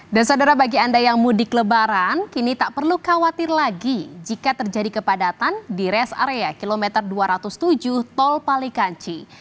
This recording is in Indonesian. dan saudara bagi anda yang mudik lebaran kini tak perlu khawatir lagi jika terjadi kepadatan di res area kilometer dua ratus tujuh tol palikanci